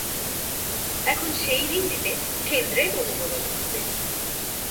এখন সেই ঋণ দিতে কেন্দ্রের অনুমোদন লাগবে।